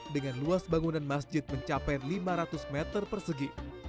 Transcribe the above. dengan luas bangunan masjid mencapai lima ratus meter persegi